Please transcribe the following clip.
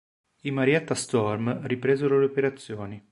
I Marietta Storm ripresero le operazioni.